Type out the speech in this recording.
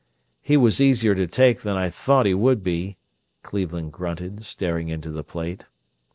"He was easier to take than I thought he would be," Cleveland grunted, staring into the plate.